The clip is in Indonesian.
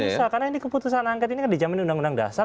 bisa karena ini keputusan angket ini kan dijamin undang undang dasar